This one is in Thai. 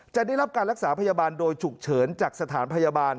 จะได้รับการรักษาพยาบาลโดยฉุกเฉินจากสถานพยาบาล